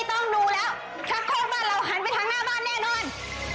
ชักโคกบ้านเราหันไปทางหน้าบ้านแน่นอน